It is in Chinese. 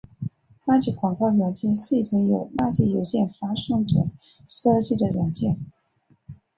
垃圾广告软件是一种由垃圾邮件发送者设计的软件。